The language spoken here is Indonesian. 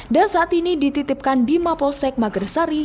dan saat ini dititipkan di maposek magresari